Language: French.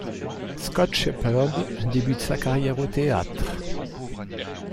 Scott Shepherd débute sa carrière au théâtre.